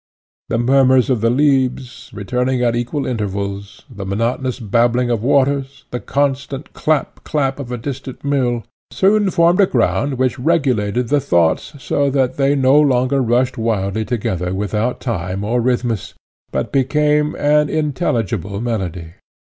The murmurs of the leaves, returning at equal intervals, the monotonous babbling of the waters, the constant clap, clap of a distant mill, soon formed a ground which regulated the thoughts so that they no longer rushed wildly together without time or rhythmus, but became an intelligible melody.